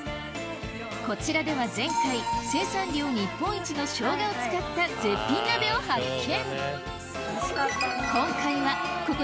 こちらでは前回生産量日本一の生姜を使った絶品鍋を発見